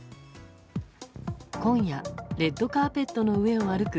今夜、レッドカーペットの上を歩く